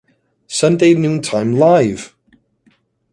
Sunday Noontime Live!